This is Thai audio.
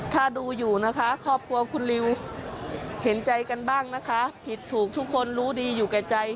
ถ้าดูอยู่นะคะครอบครัวคุณริวเห็นใจกันบ้างนะคะผิดถูกทุกคนรู้ดีอยู่แก่ใจ